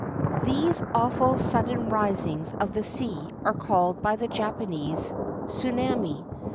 These awful sudden risings of the sea are called by the Japanese tsunami.